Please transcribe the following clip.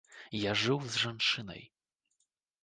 Я жыў з жанчынай.